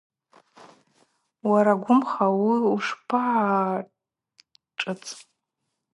Уара гвымха ауи ушпагӏашӏыцӏ?